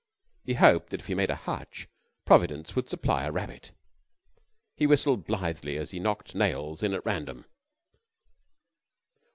He hoped that if he made a hutch, Providence would supply a rabbit. He whistled blithely as he knocked nails in at random.